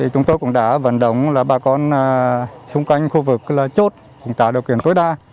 chúng tôi cũng đã vận động bà con xung quanh khu vực chốt cũng tạo điều kiện tối đa